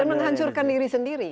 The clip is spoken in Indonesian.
dan menghancurkan diri sendiri